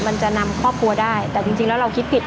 มันจะนำครอบครัวได้แต่จริงแล้วเราคิดผิด